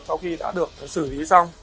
sau khi đã được xử lý xong